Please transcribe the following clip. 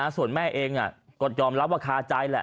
ส่วนแม่เองก็ยอมรับว่าคาใจแหละ